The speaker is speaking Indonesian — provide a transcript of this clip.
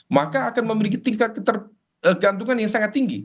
maka akan memiliki tingkat ketergantungan yang sangat tinggi